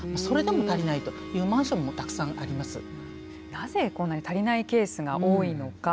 なぜこんなに足りないケースが多いのか。